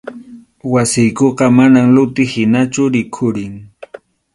Wasiykuqa manam luti hinachu rikhurin.